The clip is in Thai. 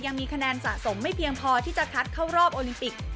ยังมีคะแนนสะสมไม่เพียงพอที่จะคัดเข้ารอบโอลิมปิก